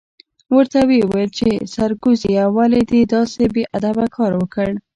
ورته ویې ویل چې سرکوزیه ولې دې داسې بې ادبه کار وکړ؟